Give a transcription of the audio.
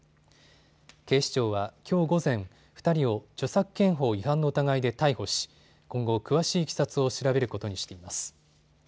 警視庁はきょう午前、２人を著作権法違反の疑いで逮捕し、今後、詳しいいきさつを調べることにしています。